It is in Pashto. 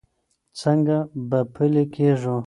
څنګه به پلي کېږي؟